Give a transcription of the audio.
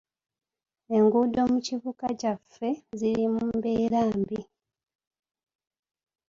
Enguudo mu kibuga kyaffe ziri mu mbeera mbi.